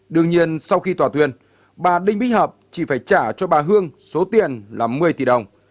đương nhiên sau khi tòa tuyên bà đinh bích hợp chỉ phải trả cho bà hương số tiền là một mươi tỷ đồng